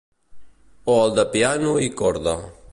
O el de piano i corda.